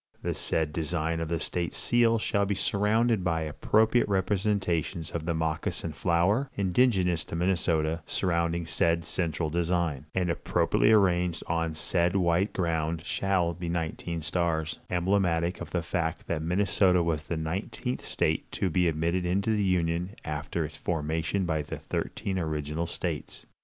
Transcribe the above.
The said design of the state seal shall be surrounded by appropriate representations of the moccasin flower, indigenous to Minnesota, surrounding said central design, and appropriately arranged on the said white ground shall be nineteen stars, emblematic of the fact that Minnesota was the nineteenth state to be admitted into the Union after its formation by the thirteen original states.